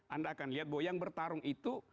anda akan lihat bahwa yang bertarung itu